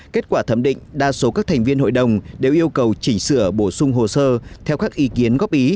kết quả thẩm định đa số các thành viên hội đồng đều yêu cầu chỉnh sửa bổ sung hồ sơ theo các ý kiến góp ý